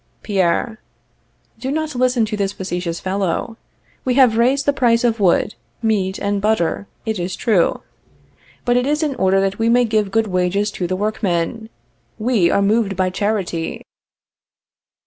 Pierre. Do not listen to this factious fellow. We have raised the price of wood, meat, and butter, it is true; but it is in order that we may give good wages to the workmen. We are moved by charity.